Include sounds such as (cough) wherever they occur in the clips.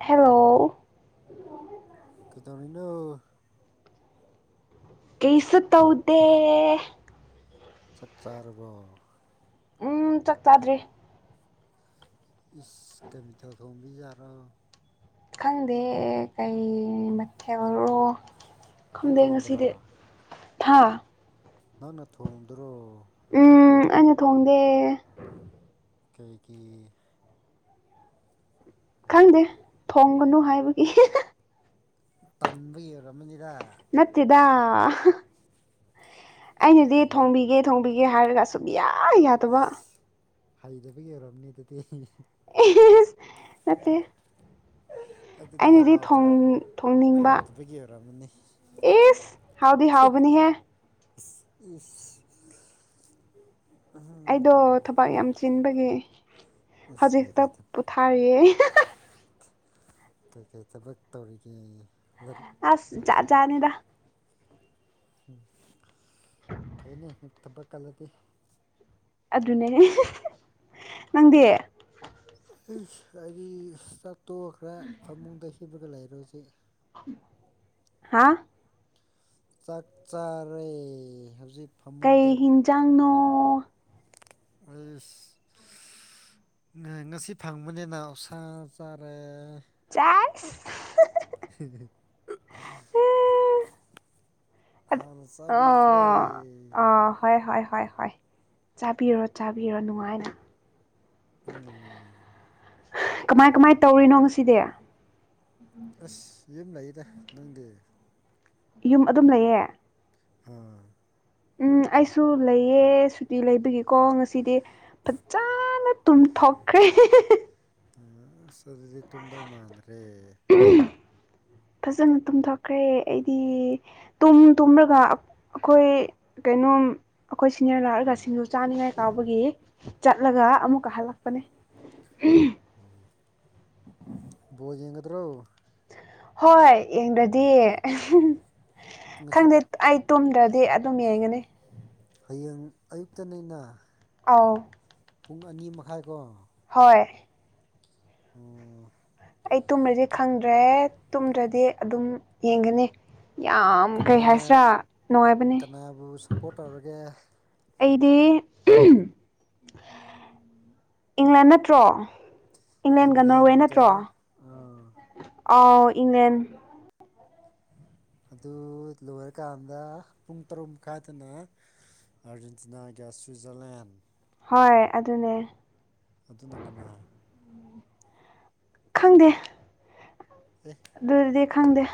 hello ꯀꯩꯗꯧꯔꯤꯅꯣ ꯀꯩꯁ ꯇꯧꯗꯦ ꯆꯥꯛ ꯆꯥꯔꯕꯣ ꯎꯝ ꯆꯥꯛ ꯆꯥꯗ꯭ꯔꯔꯤ ꯏꯁ ꯀꯦꯃꯤꯇꯦꯜ ꯊꯣꯡꯕꯤ ꯌꯥꯔꯣ ꯈꯪꯗꯦ ꯀꯩ ꯃ ꯈꯦꯔꯣ ꯅꯪ ꯈꯣꯡꯗꯦꯡ ꯊꯣꯡꯗ꯭ꯔꯣ ꯑꯁꯤꯗꯤ ꯊꯥ ꯅꯪꯅ ꯊꯣꯡꯗ꯭ꯔꯣ ꯎꯝ ꯑꯩꯅ ꯊꯣꯡꯗꯦ ꯀꯩꯒꯤ ꯈꯪꯗꯦ ꯊꯣꯡꯒꯅꯨ ꯍꯥꯏꯕꯒꯤ ꯇꯟꯕ ꯌꯔꯝꯃꯅꯤꯗ ꯅꯠꯇꯦꯗ ꯑꯩꯅꯗꯤ ꯌꯥꯏ ꯊꯣꯡꯕꯤꯒꯦ ꯊꯣꯡꯕꯤꯒꯦ ꯍꯥꯏꯔꯒ ꯁꯨꯝ ꯌꯥ ꯌꯥꯗꯕ ꯍꯩꯇꯕꯒꯤ ꯑꯣꯏꯔꯔꯕꯅꯦ ꯑꯗꯨꯗꯤ ꯅꯠꯇꯦ ꯑꯗꯨꯗꯤ ꯑꯩꯅꯗꯤ ꯍꯥꯎꯇꯕ ꯊꯣꯡꯅꯤꯡꯕ ꯍꯥꯎꯇꯕꯒꯤ ꯑꯣꯏꯔꯝꯃꯅꯤ ꯑꯦꯁ ꯍꯥꯎꯗꯤ ꯍꯥꯎꯕꯤꯅꯤ ꯍꯥꯏ ꯏꯁ ꯑꯩꯗꯣ ꯊꯕꯛ ꯌꯥꯝ ꯆꯤꯟꯕꯒꯤ ꯏꯁ ꯍꯧꯖꯤꯛ ꯈꯛꯇ ꯀꯩꯀꯩ ꯄꯣꯊꯥꯔꯤꯌꯦ ꯀꯩꯀꯩ ꯊꯕꯛ ꯇꯧꯔꯤꯒꯦ ꯂꯥꯏꯔꯤꯛ ꯑꯁ ꯖꯠ ꯖꯠꯅꯤꯗ ꯎꯝ ꯐꯩꯅꯦ ꯊꯕꯛ ꯀꯜꯂꯗꯤ ꯑꯗꯨꯅꯦ ꯅꯪꯗꯤ ꯑꯩ ꯍꯥꯏꯗꯤ ꯆꯥꯠꯇꯣꯛ ꯈ꯭ꯔ ꯐꯃꯨꯡꯗ ꯍꯤꯞꯄꯒ ꯂꯩꯔꯦ ꯍꯧꯖꯤꯛ ꯍꯥꯥ ꯆꯥꯛ ꯆꯥꯔꯦ ꯍꯧꯖꯤꯛ ꯀꯩ ꯐꯃꯨꯡꯗ ꯍꯤꯟꯖꯥꯡꯅꯣ ꯑꯁ ꯉꯁꯤ ꯐꯪꯕꯅꯤꯅꯥ ꯑꯣꯛꯁꯥ ꯆꯥꯔꯦ ꯆꯥꯁ ꯍꯥ ꯑꯣ ꯆꯥꯕꯤꯈ꯭ꯔꯦ ꯑ ꯍꯣꯏ ꯍꯣꯏ ꯍꯣꯏ ꯍꯣꯏ ꯆꯥꯕꯤꯔꯣ ꯆꯥꯕꯤꯔꯣ ꯅꯨꯡꯉꯥꯏꯅ ꯎꯝ ꯀꯃꯥꯏ ꯀꯃꯥꯏꯅ ꯇꯧꯔꯤꯅꯣ ꯉꯁꯤꯗꯤ ꯑꯁ ꯌꯨꯝ ꯂꯏꯗ ꯅꯪꯗꯦ ꯌꯨꯝ ꯑꯗꯨꯝ ꯂꯩꯌꯦ ꯑꯥ ꯎꯝ ꯑꯩꯁꯨ ꯂꯩꯑ ꯁꯨꯇꯤ ꯂꯩꯕꯒꯤꯀꯣ ꯉꯁꯤꯗꯤ ꯐꯖꯅ ꯇꯨꯝꯊꯣꯛꯈ꯭ꯔꯦ ꯁ ꯑꯗꯨꯗꯤ ꯇꯨꯝꯗꯧ ꯃꯥꯟꯗ꯭ꯔꯦ ꯐꯖꯅ ꯇꯨꯝꯊꯣꯛꯈ꯭ꯔꯦ ꯑꯩꯗꯤ ꯑꯗꯨꯝ ꯇꯨꯝꯂꯒ ꯑꯩꯈꯣꯏ ꯀꯩꯅꯣꯝ ꯑꯩꯈꯣꯏ ꯁꯤꯅꯤꯌꯔ ꯂꯥꯛꯑꯒ ꯁꯤꯡꯖꯨ ꯆꯥꯅꯤꯡꯉꯥꯏ ꯀꯥꯎꯕꯒꯤ ꯆꯠꯂꯒ ꯑꯃꯨꯛꯀ ꯍꯜꯂꯛꯄꯅꯦ ꯎꯝ ꯕꯣꯟꯗꯤ ꯌꯦꯡꯒꯗ꯭ꯔꯣ ꯍꯣꯏ ꯌꯦꯡꯗ꯭ꯔꯗꯤ ꯉꯁꯤ ꯈꯪꯗꯦ ꯑꯩ ꯇꯨꯝꯗ꯭ꯔꯗꯤ ꯑꯗꯨꯝ ꯌꯦꯡꯒꯅꯤ ꯍꯌꯦꯡ ꯑꯌꯨꯛꯇꯅꯤꯅ ꯑꯥꯎ ꯄꯨꯡ ꯑꯅꯤ ꯃꯈꯥꯏꯀꯣ ꯍꯣꯏ ꯑꯣ ꯑꯩ ꯇꯨꯝꯃꯗꯤ ꯈꯪꯗ꯭ꯔꯦ ꯇꯨꯝꯗ꯭ꯔꯗꯤ ꯑꯗꯨꯝ ꯌꯦꯡꯒꯅꯤ ꯌꯥꯝ ꯀꯩ ꯍꯥꯏꯁꯤꯔꯥ ꯅꯨꯡꯉꯥꯏꯕꯅꯦ ꯕꯣꯟꯁꯨ ꯄꯣꯠ ꯇꯧꯔꯒꯦ ꯑꯩꯗꯤ ꯏꯪꯂꯦꯟ ꯅꯠꯇ꯭ꯔꯣ ꯏꯪꯂꯦꯟꯒ ꯅꯣꯔꯋꯦ ꯅꯠꯇ꯭ꯔꯣ ꯑꯥ ꯑꯥꯎ ꯏꯪꯂꯦꯟ ꯑꯗꯨ ꯂꯣꯏꯔꯀꯥꯟꯗ ꯄꯨꯡ ꯇꯔꯨꯛ ꯃꯈꯥꯏꯗꯅ ꯑꯔꯖꯦꯟꯇꯤꯅꯥꯒ ꯁ꯭ꯋꯤꯖꯔꯂꯦꯟ ꯍꯣꯏ ꯑꯗꯨꯅꯦ ꯑꯗꯨꯗ ꯒꯅ ꯈꯪꯗꯦ ꯎꯝ ꯑꯗꯨꯗꯤ ꯈꯪꯗꯦ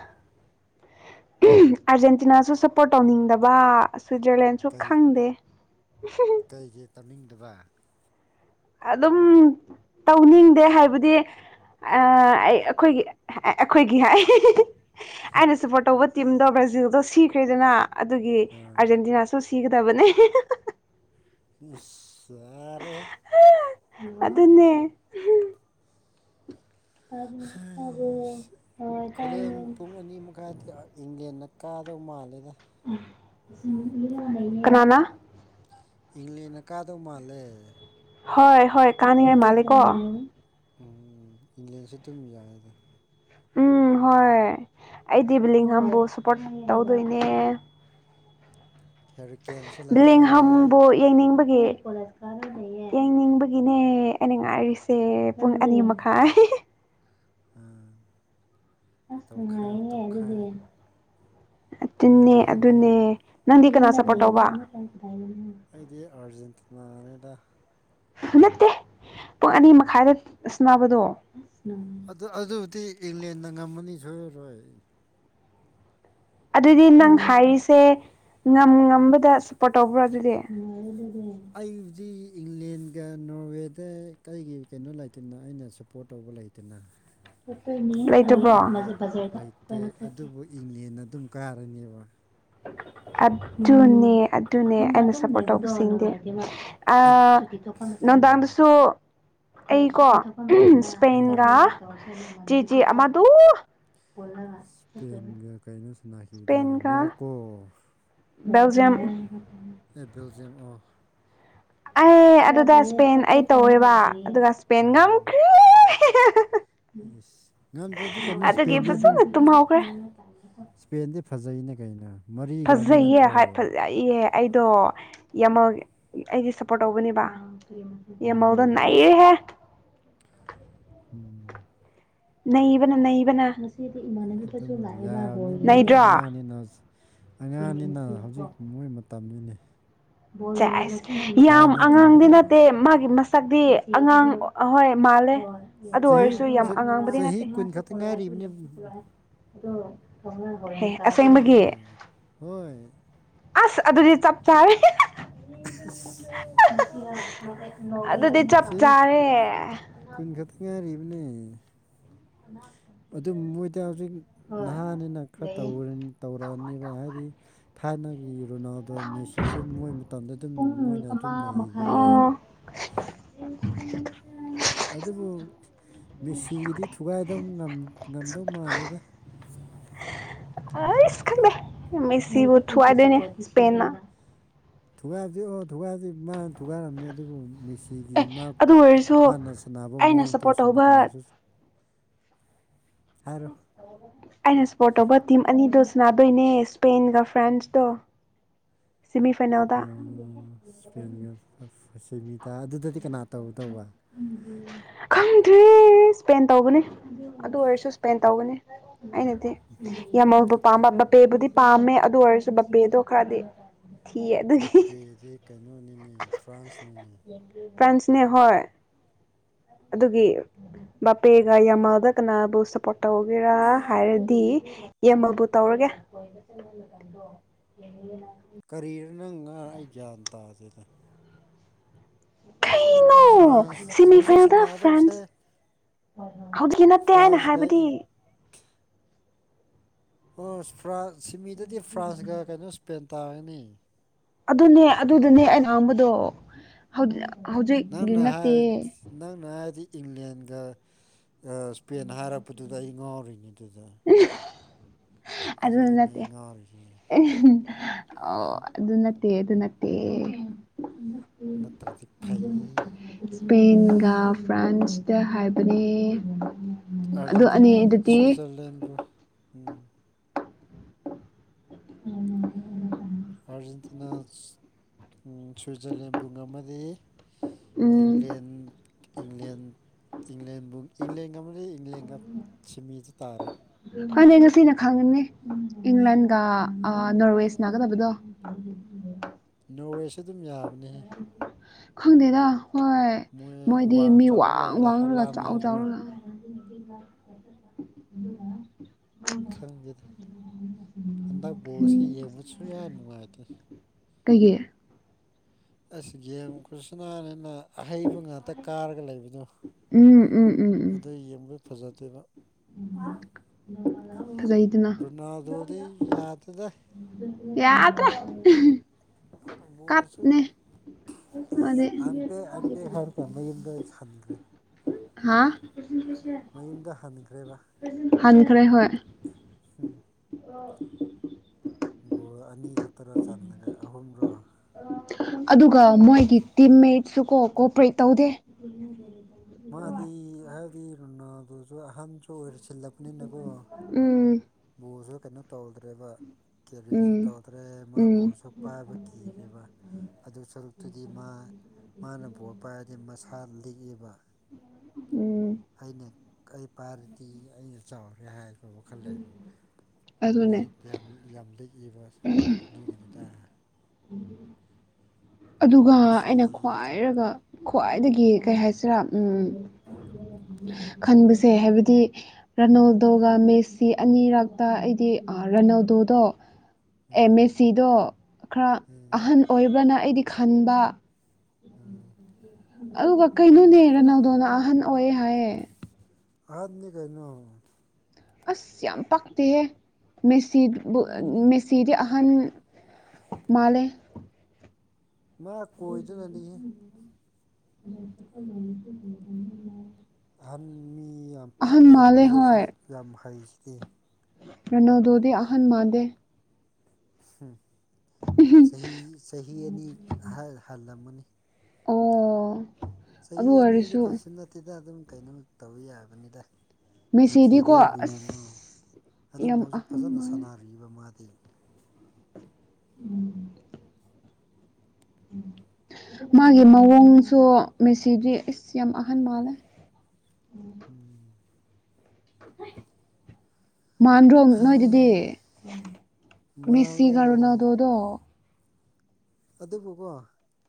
ꯑꯥꯔꯖꯦꯟꯇꯤꯅꯥꯁꯨ ꯁꯞꯄꯣꯔꯠ ꯇꯧꯅꯤꯡꯗꯕ ꯁ꯭ꯋꯤꯠꯖꯔꯂꯦꯟ ꯁꯨ ꯈꯪꯗꯦ ꯀꯩꯒꯤꯦ ꯇꯝꯅꯤꯡꯗꯕ ꯑꯗꯨꯝ ꯇꯧꯅꯤꯡꯗꯦ ꯍꯥꯏꯕꯗꯤ ꯑꯩ ꯑꯩꯈꯣꯏꯒꯤ ꯑꯩꯈꯣꯏꯒꯤ ꯍꯥꯏ ꯑꯩꯅ ꯁꯞꯄꯣꯔꯠ ꯇꯧꯕ ꯇꯤꯝꯗꯣ ꯕ꯭ꯔꯥꯖꯤꯜꯗꯣ ꯁꯤꯈ꯭ꯔꯦꯗꯅ ꯑꯗꯨꯒꯤ ꯑꯥ ꯑꯥꯔꯖꯦꯟꯇꯤꯅꯥꯁꯨ ꯁꯤꯒꯗꯕꯅꯦ ꯁꯥꯔꯦ ꯑꯗꯨꯗꯟꯅꯦ ꯈꯨꯣꯔꯦꯟ ꯄꯨꯡ ꯑꯅꯤ ꯃꯈꯥꯏ ꯏꯪꯂꯦꯟꯅ ꯀꯥꯗꯧ ꯃꯥꯜꯂꯦꯗ ꯀꯅꯥꯅꯥ ꯏꯪꯂꯡꯂꯦꯟꯅ ꯀꯥꯗꯧ ꯃꯥꯜꯂꯦ ꯍꯣꯏ ꯍꯣꯏ ꯀꯥꯅꯤꯡꯉꯥꯏ ꯃꯥꯂꯦꯀꯣ ꯎꯝ ꯏꯪꯂꯪꯂꯦꯟꯁꯨ ꯑꯗꯨꯝ ꯌꯥꯏ ꯑꯗꯣ ꯎꯝ ꯍꯣꯏ ꯑꯩꯗꯤ ꯕꯤꯂꯤꯡ ꯈꯕꯨ ꯁꯞꯄꯣꯔꯠ ꯇꯧꯗꯣꯏꯅꯦ ꯍꯦꯔꯤꯀꯦꯟꯁꯨ ꯂꯩꯔꯦ ꯕꯤꯂꯤꯡꯍꯝꯕꯨ ꯌꯦꯡꯅꯤꯡꯕꯒꯤ ꯌꯦꯡꯅꯤꯡꯕꯒꯤꯅꯦ ꯑꯩꯅ ꯉꯥꯏꯔꯤꯁꯦ ꯄꯨ ꯑꯅꯤꯂꯤꯌꯥ ꯃꯈ ꯃꯈꯥꯟ ꯇꯧꯈꯥꯏꯥꯎ ꯇꯣꯈꯥꯏ ꯑꯗꯨꯟꯅ ꯑꯗꯨꯅꯦ ꯅꯪꯗꯤ ꯀꯅꯥ ꯁꯞꯄꯣꯔꯠ ꯅꯪ ꯇꯧꯕ ꯑꯩꯗꯤ ꯑꯥꯔꯖꯦꯟꯇꯤꯅꯥꯉꯗ ꯅꯠꯇꯦ ꯄꯨꯡ ꯑꯅꯤ ꯃꯈꯥꯏꯗꯁꯕꯗꯣ ꯑꯗꯨ ꯑꯗꯨꯗꯤ ꯏꯪꯂꯦꯟꯗ ꯉꯝꯃꯅꯤ ꯁꯣꯏꯔꯔꯣꯏ ꯑꯗꯨꯗꯤ ꯅꯪ ꯏꯪ ꯍꯥꯏꯔꯤꯁꯦ ꯉꯝ ꯉꯝꯕꯗ ꯁꯞꯄꯣꯔꯠ ꯇꯧꯕ꯭ꯔꯣ ꯑꯗꯨꯗꯤ ꯑꯩ ꯍꯧꯖꯤꯛ ꯏꯪꯂꯦꯟꯒ ꯅꯣꯔꯋꯦꯗ ꯀꯔꯤꯒꯤ ꯀꯩꯅꯣ ꯂꯩꯇꯅ ꯑꯩꯅ ꯁꯞꯄꯣꯔꯠ ꯇꯧꯕ ꯂꯩꯇꯅ ꯂꯩꯇꯕ꯭ꯔꯣ ꯑꯗꯨꯕꯨ ꯂꯩꯇꯦ ꯑꯗꯨꯕꯨ ꯏꯪꯂꯦꯟꯗ ꯑꯗꯨꯝ ꯀꯥꯔꯅꯦꯕ ꯑꯗꯨꯅꯦ ꯑꯗꯨꯅꯦ ꯑꯩꯅ ꯁꯞꯄꯣꯔꯠ ꯇꯧꯕꯁꯤꯡꯗꯤꯦ ꯑꯠ ꯎꯝ ꯅꯨꯡꯗꯥꯡꯗꯁꯨ ꯑꯩꯀꯣ ꯁ꯭ꯄꯦꯟꯒ ꯎꯝ ꯖꯤ ꯖꯤ ꯑꯃꯗꯨ ꯏꯁꯄꯦꯟꯒ ꯀꯩꯅꯣ ꯁꯥꯟꯅꯈꯤꯕꯗ ꯏꯁꯄꯦꯟꯒ ꯃꯣꯔꯣꯛꯀꯣ ꯕꯦꯜꯖꯤꯌꯝ ꯑꯦ ꯕꯦꯜꯖꯤꯌꯝ ꯑꯣꯐ ꯑꯦ ꯑꯗꯨꯗ ꯏꯁꯄꯦꯟ ꯑꯩ ꯇꯧꯋꯦꯕ ꯑꯗꯨꯒ ꯏꯁꯄꯦꯟ ꯉꯝꯈ꯭ꯔꯦ ꯑꯦꯁ ꯉꯝꯗ꯭ꯔꯗꯤ ꯑꯗꯨꯒꯤ ꯀꯩꯅꯣꯄꯦꯟꯗꯤ ꯑꯗꯨꯝ ꯐꯖꯅ ꯇꯨꯝꯍꯧꯈ꯭ꯔꯦ ꯁ꯭ꯄꯦꯟꯗꯤ ꯐꯖꯩꯩꯅ ꯀꯩꯅꯣ ꯃꯔꯤꯒ ꯑꯃ ꯅꯠꯇ꯭ꯔꯣ ꯏ ꯑꯩꯗꯣ ꯌꯥꯝꯃ ꯑꯩꯗꯤ ꯁꯞꯄꯣꯔꯠ ꯇꯧꯧꯕꯅꯦꯕ ꯌꯥꯝꯃꯜꯗ ꯎꯝ ꯅꯅꯥꯌꯦ ꯍꯥꯏꯦ ꯎꯝ ꯅꯕꯅ ꯅꯕꯅ ꯑꯗꯨꯝ ꯌꯥꯕꯅꯤ ꯃꯣꯏꯗꯤ ꯅꯩꯗ꯭ꯔꯣ ꯑꯉꯥꯡꯅꯤꯅ ꯑꯉꯥꯡꯅꯤꯅ ꯍꯧꯖꯤꯛ ꯃꯣꯏ ꯇꯝꯃꯤꯟꯅꯩ ꯆꯥꯏꯁ ꯌꯥꯝ ꯊꯥꯏꯅꯒꯤ ꯑꯉꯥꯡꯗꯤ ꯅ ꯗꯦ ꯃꯥꯒꯤ ꯃꯁꯛꯇꯤ ꯑꯉꯥꯡ ꯑꯍꯣꯏ ꯃꯥꯜꯂꯦ ꯑꯗꯨ ꯆꯍꯤ ꯑꯣꯏꯔꯁꯨ ꯌꯥꯝ ꯆ- ꯑꯉꯥꯡꯕꯗꯤ ꯆꯍꯤ ꯅꯠꯇꯦ ꯀꯨꯟ ꯈꯛꯇ ꯉꯥꯏꯔꯤꯕꯅꯤ ꯑꯗꯨꯣ ꯊꯝ ꯀꯩꯅꯩꯅꯣ ꯍꯣꯏ ꯑꯁ ꯑꯗꯨꯗꯤ ꯆꯞ ꯆꯥꯔ ꯑꯁ ꯑꯗꯨꯗꯤ ꯆꯞ ꯆꯍꯤ ꯆꯥꯔꯦ ꯀꯨꯟ ꯈꯛꯇꯪ ꯉꯥꯏꯔꯤꯕꯅꯦ ꯥꯛꯇ ꯑꯗꯨ ꯃꯣꯏꯗ ꯍꯧꯖꯤꯛ ꯅꯍꯥꯅꯤꯅ ꯈꯔ ꯇꯧꯔꯅꯤ ꯇꯧꯔꯛꯑꯅꯦꯕ ꯍꯥꯏꯗꯤ ꯊꯥꯏꯅꯒꯤ ꯔꯨꯅꯥꯜ ꯑꯗꯣ ꯃꯦꯁꯤꯁꯨ ꯃꯣꯏ ꯃꯇꯝꯗ ꯑꯗꯨꯝ ꯃꯣꯏꯅ ꯑꯗꯨꯝ ꯂꯩꯗꯅ ꯑꯗꯨꯕꯨ ꯃꯦꯁꯤꯒꯤꯗꯤ ꯊꯨꯒꯥꯏꯗꯧ ꯉꯝꯗꯧ ꯃꯥꯟꯗꯦꯗ ꯑꯩ ꯏꯁ ꯈꯪꯗꯦ ꯃꯦꯁꯤꯕꯨ ꯊꯨꯋꯥꯥꯏꯗꯣꯏꯅꯦ ꯏꯁꯄꯦꯟꯅ ꯊꯨꯒꯥ ꯑꯣ ꯊꯨꯒꯥꯁꯤ ꯃꯥ ꯊꯨꯒꯥꯔꯝꯅꯤ ꯑꯗꯨꯕꯨꯦꯁꯤ ꯑꯩꯒꯤ ꯑꯦ ꯃꯥ ꯑꯗꯨ ꯑꯣꯏꯔꯁꯨ ꯃꯥꯅ ꯁꯥꯟꯅꯕ ꯑꯩꯅ ꯃꯑꯣꯡꯗꯣ ꯁꯞꯄꯣꯔꯠ ꯑꯁꯣꯨꯝꯅ ꯇꯧꯕ ꯀꯅꯥꯁꯨ ꯍꯥꯏꯔꯣ ꯑꯩꯅ ꯁꯄꯣꯔꯠ ꯇꯧꯕ ꯇꯤꯝ ꯑꯅꯤꯗꯣ ꯁꯥꯟꯅꯥꯗꯣꯏꯅꯦ ꯁ꯭ꯄꯦꯟꯒ ꯐ꯭ꯔꯥꯟꯁꯇꯣ ꯁꯤꯃꯤ ꯐꯥꯏꯅꯦꯜꯗ ꯄꯦꯟꯒ ꯁꯦꯃꯤ ꯇ ꯑꯗꯨꯗꯗꯤ ꯀꯅꯥ ꯇꯧꯗꯧꯕ ꯈꯪꯗ꯭ꯔꯤ ꯏꯁꯄꯦꯟ ꯇꯧꯕꯅꯦ ꯑꯗꯨ ꯑꯣꯏꯔꯁꯨ ꯏꯁꯄꯦꯟ ꯇꯧꯒꯅꯤ ꯑꯩꯅꯗꯤ ꯌꯥꯝꯃꯕ ꯄꯝꯕ ꯕꯄꯦꯕꯨꯗꯤ ꯄꯥꯝꯃꯦ ꯑꯗꯨ ꯑꯣꯏꯔꯁꯨ ꯕꯄꯦꯗꯣ ꯈꯔꯗꯤ ꯊꯤꯌꯦ ꯑꯗꯨꯒꯤ ꯕꯄꯦꯗꯤ ꯀꯩꯅꯣꯅꯤꯅꯦ ꯐ꯭ꯔꯥꯟꯁꯅꯤꯅꯦ ꯐ꯭ꯔꯥꯟꯁꯅꯦ ꯍ ꯑꯗꯨꯒꯤ ꯕꯥꯄꯦꯒ ꯌꯥꯝꯃꯜꯗ ꯀꯅꯥꯕꯨ ꯁꯞꯄꯣꯔꯠ ꯇꯧꯒꯦꯔꯥ ꯍꯥꯏꯔꯗꯤ ꯌꯦꯡꯕꯕꯨ ꯇꯧꯔꯒꯦ ꯍ ꯀꯔꯤꯔ ꯅꯪ ꯉ ꯑꯩ ꯒ꯭ꯌꯥꯟ ꯇꯥꯗꯦꯗ ꯊꯩꯅꯣ ꯐ꯭ꯔꯥꯟꯁ ꯁꯦꯃꯤ ꯍꯧꯖꯤꯛ ꯐꯥꯏꯟꯜꯗ ꯁꯥꯟꯅꯒꯗꯕꯁꯦ ꯐ꯭ꯔꯥꯟꯁ ꯍꯧꯖꯤꯛꯀꯤ ꯅꯠꯇꯦ ꯍꯥꯏꯅ ꯐ꯭ꯔꯥꯟꯁꯒ ꯍꯥꯏꯕꯗꯤ ꯏꯪ ꯑꯣ ꯐꯥꯟ ꯁꯤꯃꯤꯗꯗꯤ ꯐ꯭ꯔꯥꯟꯁꯒ ꯀꯩꯅꯣ ꯁ꯭ꯄꯦꯟ ꯇꯥꯔꯒꯅꯤ ꯑꯗꯨꯅꯦ ꯑꯗꯨꯗꯨꯅꯦ ꯑꯩꯅ ꯑꯥꯡꯕꯗꯣ ꯍꯧꯖꯤꯛꯀꯤ ꯅꯪꯅ ꯅꯠꯇꯦ ꯍꯥꯏ ꯅꯪꯅ ꯍꯥꯏꯔꯗꯤ ꯏꯪꯂꯦꯟꯒ ꯏꯁꯄꯦꯟ ꯍꯥꯏꯔꯛꯄꯗꯨꯗ ꯑꯩ ꯉꯥꯎꯔꯤꯅꯤ ꯑꯗꯨꯗ ꯑꯗꯨ ꯑꯗꯨꯗꯅꯦ ꯅꯠꯇꯦ ꯑꯩ ꯉꯥꯎꯔꯤꯁꯦ ꯑꯣ ꯑꯗꯨ ꯅꯠꯇꯦ ꯑꯗꯨ ꯅꯠꯇꯦ ꯅꯠꯇ꯭ꯔꯗꯤ ꯐꯩ ꯏꯁꯄꯦꯟꯒ ꯐ꯭ꯔꯥꯟꯁꯇ ꯍꯥꯏꯕꯅꯦ ꯑꯗꯨ ꯑꯔꯖꯦꯟꯇꯤꯅꯥ ꯑꯅꯤꯗꯨꯗꯤ ꯁ꯭ꯋꯤꯖꯔꯂꯦꯟ ꯎꯝ ꯍ ꯑꯥꯔꯖꯦꯟꯇꯤꯅꯥ ꯁ꯭ꯋꯤꯖꯔꯂꯦꯟ ꯨꯡꯒꯥ ꯃꯗꯤ ꯎꯝ ꯏꯪꯂꯂꯦꯟ ꯏꯪꯂꯦꯟ ꯏꯪꯂꯦꯟꯕꯨ ꯏꯪꯂꯦꯟꯒ ꯃ ꯏꯪꯂꯦꯟꯒ ꯁꯤꯃꯤꯗ ꯇꯥꯔꯦ ꯐꯅꯦ ꯉꯁꯤꯅ ꯈꯪꯉꯅꯤ ꯏꯪꯂꯦꯟꯒ ꯎꯝ ꯅꯣꯔꯋꯦꯁ ꯅꯥꯒꯗꯕꯗꯣ ꯎꯝ ꯎ ꯏ ꯅꯣꯋꯦꯁꯨꯦ ꯑꯗꯨꯝ ꯌꯥꯕꯅꯦꯍꯦ ꯈꯪꯗꯦꯗ ꯍꯣꯏ ꯃꯣꯏ ꯃꯣꯏꯗꯤ ꯃꯤ ꯆꯥꯎꯕ ꯋꯥꯡ ꯂꯩꯗ ꯋꯥꯡꯔꯒ ꯍꯂꯥꯟ ꯆꯥꯎ ꯍꯥꯏꯕ꯭ꯔꯥ ꯆꯥꯎꯔꯒ (inaudible) ꯈꯪꯗꯦꯗ ꯍꯟꯗꯛ ꯕꯣꯔ ꯑꯁꯤ ꯌꯦꯡꯕꯗꯁꯨ ꯌꯥꯝ ꯅꯨꯡꯉꯥꯏꯇꯦ ꯀꯩꯒꯤ ꯑꯁ ꯒꯦꯝ ꯈꯨꯁꯤꯅꯥꯅꯤꯅ ꯑꯍꯩꯕ ꯉꯥꯛꯇ ꯍꯦꯛꯇ ꯀꯥꯔꯒ ꯂꯩꯕꯗꯣ ꯎꯝ ꯎꯝ ꯑꯗꯨ ꯌꯦꯡꯕꯗ ꯐꯖꯗꯦꯕ ꯈꯩꯗꯅ ꯑꯗꯩ ꯌꯥꯗꯗ ꯌꯥꯗ꯭ꯔꯦ ꯕꯣꯜꯁꯨ ꯀꯄꯅꯦ ꯃ ꯀ ꯃꯌꯨꯝꯗ ꯑꯩ ꯈꯟꯗ꯭ꯔꯦ ꯍꯥ ꯃꯌꯨꯝꯗ ꯍꯟꯈ꯭ꯔꯦ ꯍꯣꯏ ꯎꯝ ꯑ ꯒꯣ ꯑꯅꯤ ꯈꯛꯇꯔꯣ ꯆꯜꯂꯒ ꯑꯍꯨꯝꯔꯣ ꯑꯗꯨꯒ ꯃꯣꯏꯒꯤ ꯇꯤꯝꯃꯦꯠꯁꯨ ꯀꯣ ꯀꯣꯑꯣꯄꯔꯦꯠ ꯇꯧꯗꯦ ꯦ ꯃꯥꯗꯤ ꯍꯥꯏꯗꯤ ꯂꯨꯅꯥꯗꯨꯁꯨ ꯑꯍꯟꯁꯨ ꯑꯣꯏꯔꯁꯤꯜꯂꯄꯅꯤꯅꯀꯣ ꯎꯝ ꯕꯣꯁꯨ ꯀꯩꯅꯣ ꯇꯧꯗ꯭ꯔꯦꯕ ꯀꯦꯔꯤꯁꯨ ꯎꯝ ꯇꯧꯗ꯭ꯔꯦ ꯎꯝ ꯃꯥꯕꯨꯕꯁꯨ ꯄꯥꯏꯕ ꯀꯤꯔꯦꯕ ꯑꯗꯨ ꯁꯔꯨꯛꯇꯨꯗꯤ ꯃꯥ ꯃꯥꯅ ꯚꯣꯠ ꯄꯥꯏꯔꯗꯤ ꯃꯁꯥ ꯂꯤꯛꯏꯕ ꯎꯝ ꯑꯩꯅ ꯑꯩ ꯄꯥꯏꯔꯗꯤ ꯑꯩꯅ ꯆꯥꯎꯔꯦ ꯍꯥꯏꯕ ꯋꯥꯈꯜ ꯂꯩꯕ ꯑꯗꯨꯅꯦ ꯂꯤ ꯌꯥꯝ ꯌꯥꯝ ꯂꯤꯛꯏꯕ ꯑꯗꯨꯏꯒꯤꯅꯤꯗ ꯑꯗꯨꯒ ꯑꯩꯅ ꯃꯦꯁꯤꯁꯤ ꯈ꯭ꯋꯥꯏꯔꯒ ꯈ꯭ꯋꯥꯏꯗꯒꯤ ꯀꯩ ꯍꯥꯏꯁꯤꯔꯥ ꯎꯝ ꯈꯟꯕꯁꯦ ꯍꯥꯏꯕꯗꯤ ꯔꯥꯅꯣꯜꯗꯣꯒ ꯃꯦꯁꯁꯤ ꯑꯅꯤꯔꯛꯇ ꯑꯩꯗꯤ ꯔꯥꯅꯥꯣꯜꯗꯣꯗꯣ ꯑꯦꯝ ꯎꯝ ꯑꯦꯁ ꯁꯤꯗꯣ ꯈꯔ ꯎꯝ ꯑꯍꯟ ꯑꯣꯏꯕ꯭ꯔꯅ ꯑꯩꯗꯤ ꯈꯟꯕ ꯑꯥ ꯑꯗꯨꯒ ꯀꯩꯅꯣꯅꯦ ꯔ ꯅꯪꯗꯣꯅ ꯑꯍꯟ ꯑꯣꯏ ꯍꯥꯏꯌꯦ ꯑꯗꯅꯤ ꯀꯅꯣ ꯑꯁ ꯌꯥꯝ ꯄꯛꯇꯦꯍꯦ ꯃꯦꯁꯤ ꯃꯦꯁꯤꯗꯤ ꯑꯍꯟ ꯃꯥꯂꯦ ꯃꯥ ꯀꯣꯏꯗꯨꯅꯅꯤ (unintelligible) ꯑꯍꯟ ꯃꯤ ꯌꯥꯝ ꯑꯍꯟ ꯑꯗꯨ ꯃꯥꯜꯂꯦ ꯄꯤꯛꯔꯁꯨ ꯍꯣꯏ ꯌꯥꯝ ꯍꯩꯁꯤꯗꯤ ꯅꯅꯣꯗꯨꯗꯤ ꯑꯍꯟ ꯃꯥꯟꯗꯦ ꯆꯍꯤ ꯆꯍꯤ ꯑꯅꯤ ꯍꯜꯂꯝꯃꯅꯤ ꯑꯣ ꯆꯍꯤ ꯑꯗꯨ ꯑꯅꯤꯗꯤ ꯑꯣꯏꯔꯁꯨ ꯀꯩꯁꯨ ꯅꯠꯇꯦꯗ ꯑꯗꯨꯝ ꯀꯩꯅꯣ ꯇꯧ ꯌꯥꯕꯅꯤꯗ ꯃꯦꯁꯤꯗꯤꯀꯣ ꯃꯤꯈꯤꯗꯩ ꯑꯁ ꯌꯦꯡꯉꯣ ꯑꯗꯨꯝ ꯌꯥꯝ ꯍꯧꯖꯤꯛ ꯑꯍꯟ ꯐꯖꯅ ꯃꯥꯜꯂꯦ ꯁꯥꯟꯅꯔꯤꯕ ꯃꯥꯗꯤ ꯎꯝ ꯃꯥꯒꯤ ꯃꯑꯣꯡꯁꯨ ꯃꯦꯁꯤꯗꯤ ꯑꯁ ꯌꯥꯝ ꯑꯍꯟ ꯃꯥꯜꯂꯦ ꯎꯝ (unintelligible) ꯃꯥꯟꯗ꯭ꯔꯣꯝ ꯅꯣꯏꯗꯨꯗꯤ ꯃꯦꯁꯤ ꯃꯥꯜꯂꯦ ꯒꯥꯔꯣꯅꯥꯗꯣꯗꯣ ꯑꯗꯨꯕꯨꯀꯣ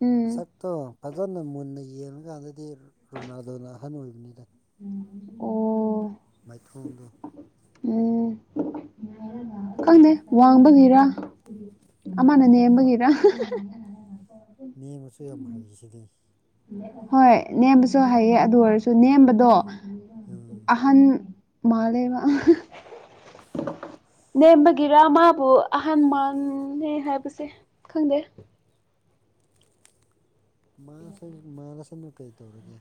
ꯎꯝ ꯁꯛꯇꯣ ꯐꯖꯅ ꯃꯨꯟꯅ ꯌꯦꯡꯉꯀꯥꯟꯗꯗꯤ ꯔꯣꯅꯥꯜꯗꯣꯅ ꯑꯍꯟ ꯑꯣꯏꯕꯅꯤꯗ ꯎꯝ ꯑꯣ ꯃꯥꯏꯊꯣꯡꯗꯨ ꯎꯝ ꯈꯪꯗꯦ ꯋꯥꯡꯕꯒꯤꯔꯥ ꯑꯃ ꯅꯅꯦ ꯍꯕꯒꯔ ꯃꯤ ꯑꯃꯁꯨ ꯌꯥꯝ ꯍꯩꯁꯤꯅꯤ ꯍꯣꯏ ꯅꯦꯝꯕꯁꯨ ꯍꯩꯌꯦ ꯑꯗꯨ ꯑꯣꯏꯔꯁꯨ ꯅꯦꯝꯕꯗꯣ ꯑꯝ ꯑꯍꯟ ꯃꯥꯜꯂꯦꯕ ꯅꯦꯝꯕꯒꯤꯔ ꯃꯥꯕꯨ ꯑꯍꯟ ꯃꯥꯟꯦ ꯍꯥꯏꯕꯁꯦ ꯈꯪꯗꯦ ꯃꯥꯁ ꯃꯥꯂꯁꯅꯨ ꯀꯩ ꯇꯧꯔꯒꯦ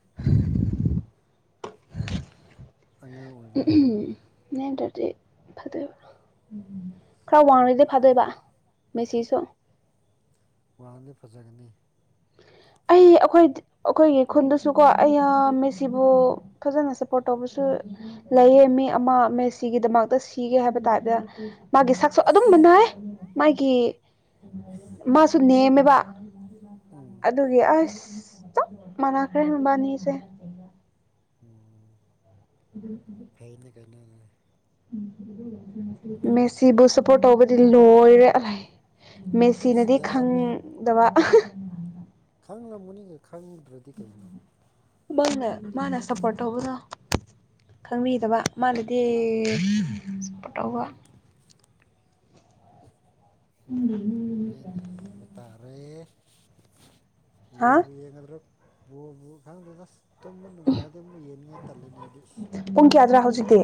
ꯑꯉ (unintelligible) ꯇꯗꯤ (inaudible) ꯈꯔ ꯋꯥꯡꯉꯗꯤ ꯐꯥꯗꯣꯏꯕ ꯃꯦꯁꯤꯁꯨ ꯋꯥꯡꯉꯗꯤ ꯐꯖꯒꯅꯤ ꯑꯩ ꯑꯩꯈꯣꯏ ꯑꯩꯈꯣꯏꯒꯤ ꯈꯨꯟꯗꯁꯨ ꯀꯣ ꯑ ꯌꯥ ꯃꯦꯁꯤ ꯑꯣ ꯐꯖꯅ ꯁꯄꯣꯔꯠ ꯇꯧꯕꯁꯨ ꯂꯩꯌꯦ ꯃꯤ ꯑꯃ ꯃꯦꯁ - ꯁꯤꯒꯤꯗꯃꯛꯇ ꯁꯤꯒꯦ ꯍꯥꯏꯕ ꯇꯥꯏꯄꯇ ꯃꯥꯒꯤ ꯁꯛꯁꯨ ꯑꯗꯨꯝ ꯑꯁ ꯃꯨꯅꯥꯏ ꯃꯥꯒꯤ ꯃꯥꯁꯨ ꯅꯦꯝꯃꯦꯕ ꯎꯝ ꯑꯗꯨꯒꯤ ꯑꯁ ꯆꯞ ꯃꯥꯟꯅꯈ꯭ꯔꯦ ꯃꯕꯥꯅꯤꯁꯦ ꯎꯝ (inaudible) (unintelligible) ꯃꯦꯁꯤꯕꯨ ꯁꯞꯄꯣꯔꯠ ꯇꯧꯕꯗꯤ ꯂꯣꯏꯔꯦ ꯑꯏ ꯑꯁ ꯃꯦꯁꯤꯅꯗꯤ ꯌꯥꯝꯃꯦ ꯈꯪꯗꯕ ꯈꯪꯉꯝꯒꯅꯤ ꯈꯪꯗ꯭ꯔꯗꯤ ꯀꯩꯅꯣ ꯃꯥꯅ ꯃꯥꯅ ꯁꯄꯣꯔꯠ꯭ ꯇꯧꯕꯗ ꯈꯪꯕꯤꯗꯕ ꯃꯥꯅꯗꯤ ꯁꯞꯄꯣꯔꯠ ꯇꯧꯕ ꯎꯝ ꯍꯣꯔꯦꯟꯅ ꯌꯦꯡꯕ ꯇꯥꯔꯦ ꯍꯥ ꯌꯦꯡꯕꯨ ꯌꯦꯡꯒꯗ꯭ꯔꯣ ꯕ‌ꯣꯜꯕꯨ ꯈꯪꯗ꯭ꯔꯦꯗ ꯇꯨꯝꯕ ꯅꯨꯡꯉꯥꯏꯔꯗꯤ ꯑꯃꯨ ꯌꯦꯅꯤꯡꯅꯤꯉꯥꯏ ꯇꯜꯂꯤꯉꯩꯗꯤ ꯄꯨꯡ ꯀꯌꯥꯗ꯭ꯔꯥ ꯍꯧꯖꯤꯛꯇꯤ